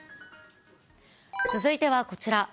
続いてはこちら。